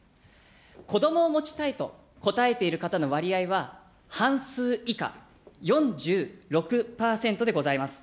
子どもを持ちたいと、答えている方の割合は、半数以下、４６％でございます。